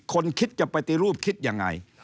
คิดจะปฏิรูปคิดยังไง